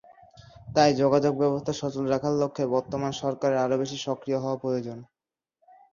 তাই যোগাযোগব্যবস্থা সচল রাখার লক্ষ্যে বর্তমান সরকারের আরও বেশি সক্রিয় হওয়া প্রয়োজন।